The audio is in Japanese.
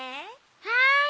はい。